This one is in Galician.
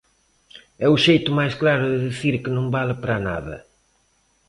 É o xeito máis claro de dicir que non vale para nada.